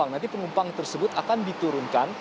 nanti penumpang tersebut akan diturunkan